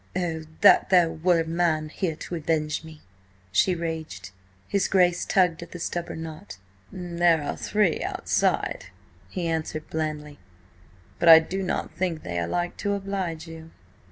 "Oh, that there were a man here to avenge me!" she raged. His Grace tugged at the stubborn knot. "There are three outside," he answered blandly. "But I do not think they are like to oblige you."